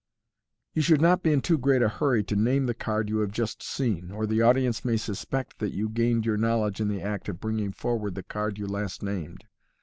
You should not be in too great a hurry to name the card you have just seen, or the audience may suspect that you gained your know ledge in the act of bringing forward the card you last named.